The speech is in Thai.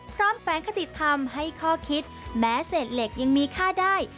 แฝงคติธรรมให้ข้อคิดแม้เศษเหล็กยังมีค่าได้